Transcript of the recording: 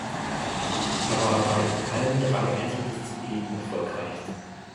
Er war dabei in allen drei Einzeldisziplinen erfolgreich.